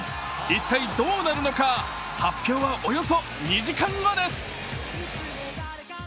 一体どうなるのか、発表はおよそ２時間後です。